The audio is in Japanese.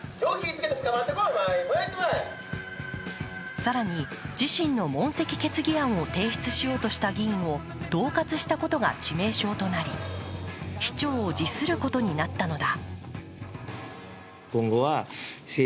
更に、自身の問責決議案を提出しようとした議員をどう喝したことが致命傷となり市長を辞することになったのだ。